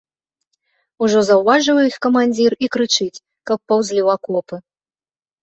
Ужо заўважыў іх камандзір і крычыць, каб паўзлі ў акопы.